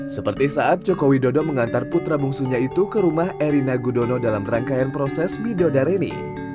seperti saat joko widodo mengantar putra bungsunya itu ke rumah erina gudono dalam rangkaian proses midodareni